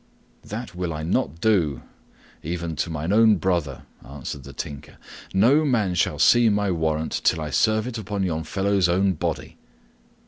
"That will I not do, even to mine own brother," answered the Tinker. "No man shall see my warrant till I serve it upon yon fellow's own body."